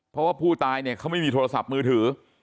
เพราะว่าผู้ตายเนี่ยเขาไม่มีโทรศัพท์มือถือ